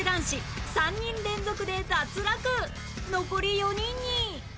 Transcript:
残り４人に